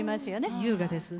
優雅ですね。